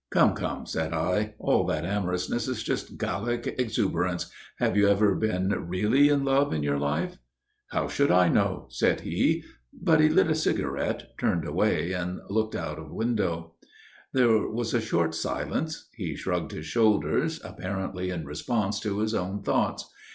"Come, come," said I; "all that amorousness is just Gallic exuberance. Have you ever been really in love in your life?" "How should I know?" said he. But he lit a cigarette, turned away, and looked out of window. There was a short silence. He shrugged his shoulders, apparently in response to his own thoughts.